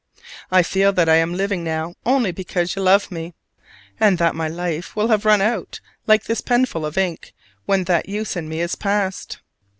I feel that I am living now only because you love me: and that my life will have run out, like this penful of ink, when that use in me is past.